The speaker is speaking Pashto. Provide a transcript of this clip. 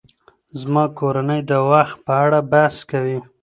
زما کورنۍ د وخت په اړه بحث کوي.